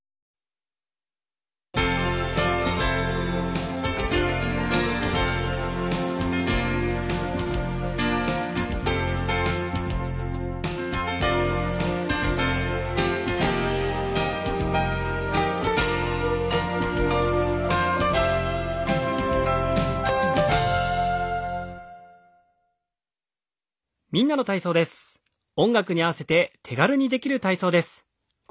今日の体調に合わせて手軽にできる体操です。